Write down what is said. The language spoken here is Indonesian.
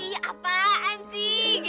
ih apaan sih